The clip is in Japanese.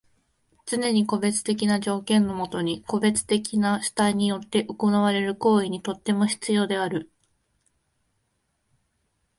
つねに個別的な条件のもとに個別的な主体によって行われる行為にとっても必要である。